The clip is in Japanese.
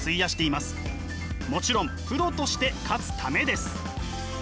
もちろんプロとして勝つためです。